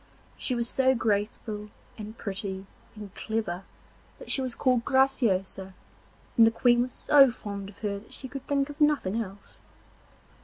She was so graceful and pretty and clever that she was called Graciosa, and the Queen was so fond of her that she could think of nothing else.